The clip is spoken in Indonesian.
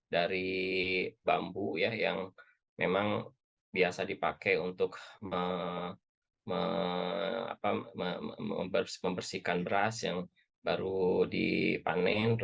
dari bambu yang memang biasa dipakai untuk membersihkan beras yang baru dipanen